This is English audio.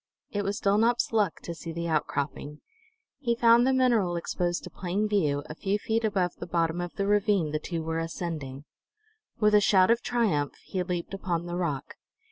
It was Dulnop's luck to see the outcropping. He found the mineral exposed to plain view, a few feet above the bottom of the ravine the two were ascending. With a shout of triumph he leaped upon the rock.